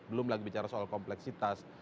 belum lagi bicara soal kompleksitas